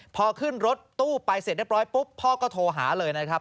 พอขึ้นรถตู้ไปเสร็จเรียบร้อยปุ๊บพ่อก็โทรหาเลยนะครับ